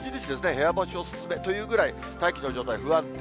部屋干しお勧めというぐらい、大気の状態不安定。